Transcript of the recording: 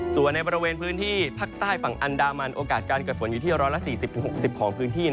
ส่วนในบริเวณพื้นที่ภาคใต้ฝั่งอันดามันโอกาสการเกิดฝนอยู่ที่๑๔๐๖๐ของพื้นที่